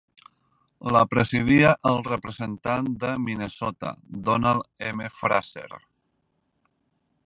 La presidia el representant de Minnesota, Donald M. Fraser.